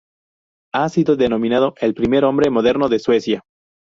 Ha sido denominado el primer hombre moderno de Suecia.